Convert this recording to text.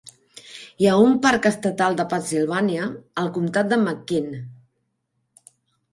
Hi ha un parc estatal de Pennsilvània al comtat de McKean.